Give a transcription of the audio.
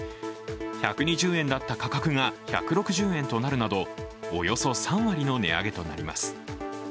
１２０円だった価格が１６０円となるなど、およそ３割の値上げとなります。